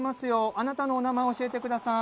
あなたのお名前教えて下さい。